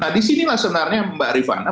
nah disinilah sebenarnya mbak rifana